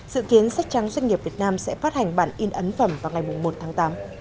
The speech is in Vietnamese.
dự kiến sách trắng doanh nghiệp việt nam sẽ phát hành bản in ấn phẩm vào ngày một tháng tám